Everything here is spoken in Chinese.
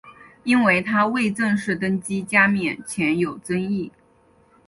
因为他未正式登基加冕且有争议。